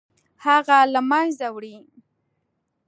هغه له منځه وړي.